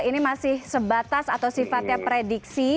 ini masih sebatas atau sifatnya prediksi